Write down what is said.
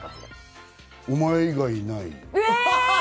「お前以外いない」。